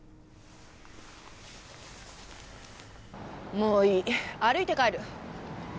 もういい歩いて帰る。